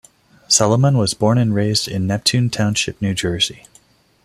Salomon was born and raised in Neptune Township, New Jersey.